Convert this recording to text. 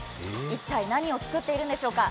一体何を作っているんでしょうか。